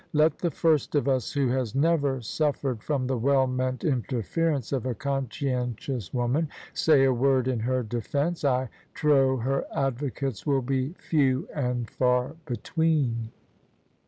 Let the first of us who has never sufiEered from the well meant interference of a conscientious woman say a word in her defence ! I trow her advocates will be few and far between.